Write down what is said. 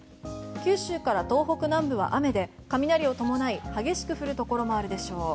九州から東北南部は雨で雷を伴い激しく降るところもあるでしょう。